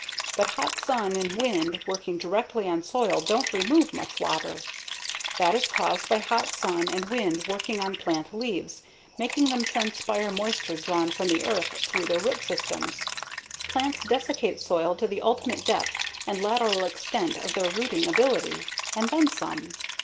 But hot sun and wind working directly on soil don't remove much water; that is caused by hot sun and wind working on plant leaves, making them transpire moisture drawn from the earth through their root systems. Plants desiccate soil to the ultimate depth and lateral extent of their rooting ability, and then some.